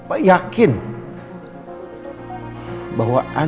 bahwa andin tidak bersalah